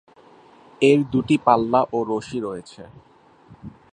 এর দুটি পাল্লা ও রশি রয়েছে।